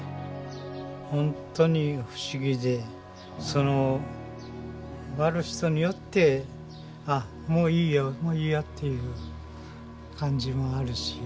ほんとに不思議でその割る人によって「あっもういいよもういいよ」っていう感じもあるし。